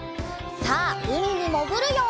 さあうみにもぐるよ！